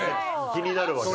気になるわ。